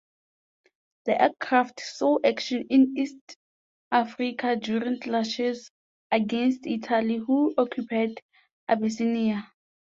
The aircraft saw action in East Africa during clashes against Italy who occupied Abyssinia.